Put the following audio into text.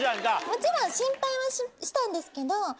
もちろん心配はしたんですけど。